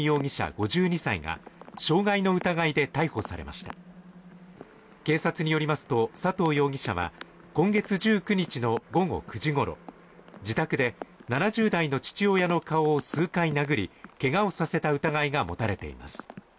５２歳が傷害の疑いで逮捕されました警察によりますと佐藤容疑者は今月１９日の午後９時ごろ自宅で７０代の父親の顔を数回殴りけがをさせた疑いが持たれています